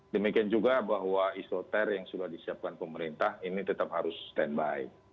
demikian juga bahwa isoter yang sudah disiapkan pemerintah ini tetap harus standby